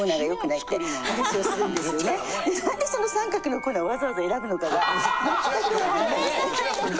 何でその三角のコーナーをわざわざ選ぶのかがまったく。